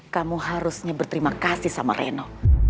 kamu harusnya berterima kasih sama reno